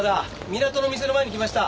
港の店の前に来ました。